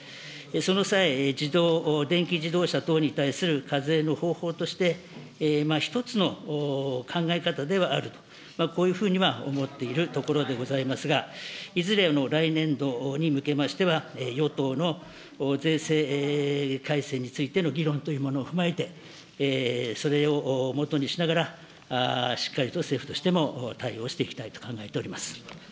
その際、自動、電気自動車等に対する課税の方法として、１つの考え方ではあると、こういうふうには思っているところでございますが、いずれ、来年度に向けましては、与党の税制改正についての議論というものを踏まえて、それをもとにしながら、しっかりと政府としても対応していきたいと考えております。